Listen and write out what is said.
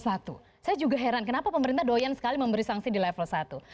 saya juga heran kenapa pemerintah doyan sekali memberi sanksi di level satu